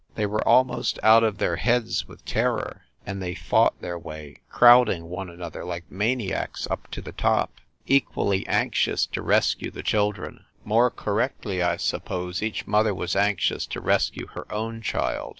They were almost out of their heads with terror, and they fought their way, crowding one another like maniacs up to the top, equally anxious to rescue the THE BREWSTER MANSION 341 children. More correctly, I suppose, each mother was anxious to rescue her own child.